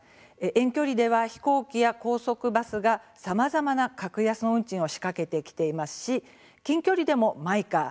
遠距離では飛行機や高速バスがさまざまな格安の運賃を仕掛けてきていますし近距離でもマイカー